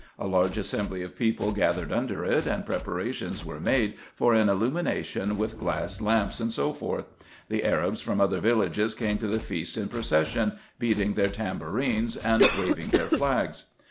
A large assembly of people gathered under it, and preparations were made for an illumination with glass lamps, &c. The Arabs from other villages came to the feast in procession, beating their tam bourines, and waving their flags.